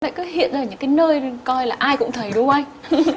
nó lại cứ hiện ở những cái nơi coi là ai cũng thấy đúng không anh